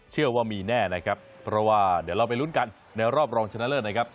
เชื่อว่ามีแน่นะครับเพราะว่าเดี๋ยวเราไปลุ้นกันในรอบรองชนะเลิศนะครับ